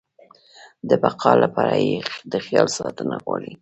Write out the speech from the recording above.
د بقا لپاره يې د خیال ساتنه غواړي.